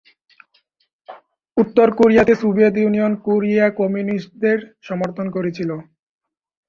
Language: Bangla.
উত্তর কোরিয়াতে, সোভিয়েত ইউনিয়ন কোরিয়ার কমিউনিস্টদের সমর্থন করেছিল।